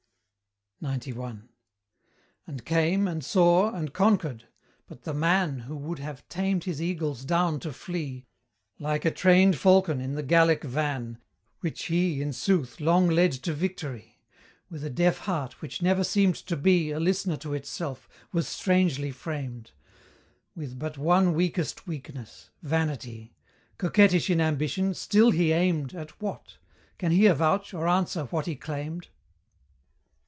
XCI. And came, and saw, and conquered. But the man Who would have tamed his eagles down to flee, Like a trained falcon, in the Gallic van, Which he, in sooth, long led to victory, With a deaf heart which never seemed to be A listener to itself, was strangely framed; With but one weakest weakness vanity: Coquettish in ambition, still he aimed At what? Can he avouch, or answer what he claimed?